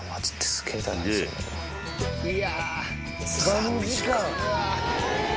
３時間。